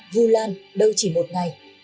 vu lan đâu chỉ một ngày